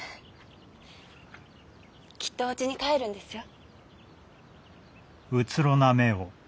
きっとおうちに帰るんですよ。